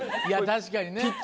いや確かにね。